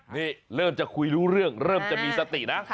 นี่เริ่มจะคุยรู้เรื่องเริ่มจะมีสตินะ